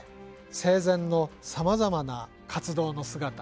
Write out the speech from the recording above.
生前のさまざまな活動の姿